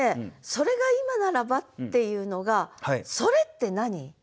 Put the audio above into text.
「それが今ならば」っていうのが「それ」って何？